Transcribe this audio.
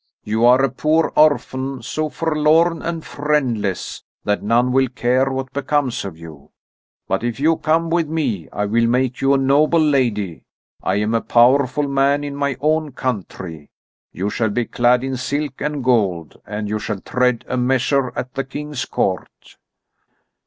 "You are a poor orphan, so forlorn and friendless that none will care what becomes of you. But if you come with me, I will make you a noble lady. I am a powerful man in my own country. You shall be clad in silk and gold, and you shall tread a measure at the King's court."